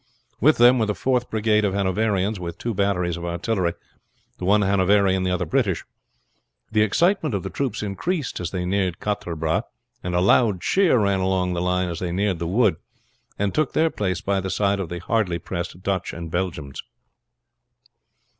With them were the Fourth Brigade of Hanoverians, with two batteries of artillery the one Hanoverian, the other British. The excitement of the troops increased as they neared Quatre Bras, and a loud cheer ran along the line as they neared the wood, and took their place by the side of the hardly pressed Dutch and Belgians.